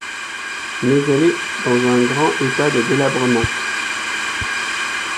Mais elle est dans un grand état de délabrement.